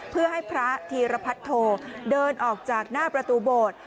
เพื่อให้พระธีรพัทโทเดินออกจากหน้าประตูโบสถ์